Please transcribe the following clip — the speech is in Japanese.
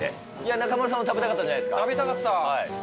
中丸さんも食べたかったんじ食べたかった。